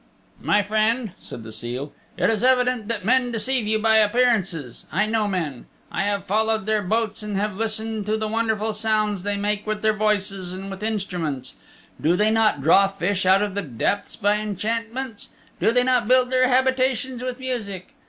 "My friend," said the seal, "it is evident that men deceive you by appearances. I know men. I have followed their boats and have listened to the wonderful sounds they make with their voices and with instruments. Do they not draw fish out of the depths by enchantments? Do they not build their habitations with music?